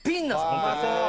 本当に。